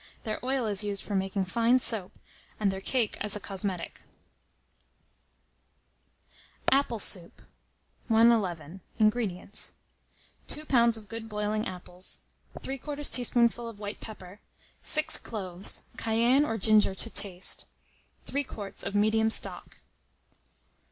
Their oil is used for making fine soap, and their cake as a cosmetic. APPLE SOUP. 111. INGREDIENTS. 2 lbs. of good boiling apples, 3/4 teaspoonful of white pepper, 6 cloves, cayenne or ginger to taste, 3 quarts of medium stock.